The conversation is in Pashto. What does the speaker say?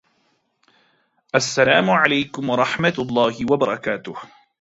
السلام علیکم ورحمة الله وبرکاته